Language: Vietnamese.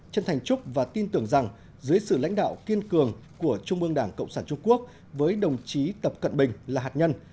chân thành chúc và tin tưởng rằng dưới sự lãnh đạo kiên cường của trung ương đảng cộng sản trung quốc với đồng chí tập cận bình là hạt nhân